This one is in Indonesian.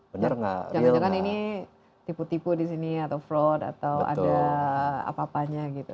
jangan jangan ini tipu tipu di sini atau fraud atau ada apa apanya gitu